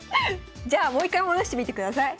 じゃあもう一回戻してみてください。